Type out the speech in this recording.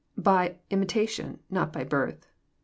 — By imitation, not by birth."